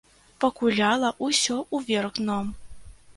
Пакуляла ўсё ўверх дном.